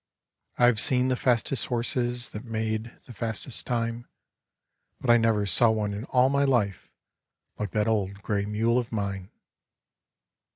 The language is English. I have seen the fastest horses That made the fastest time, But I never saw one in all my life Like that old gray mule of mine.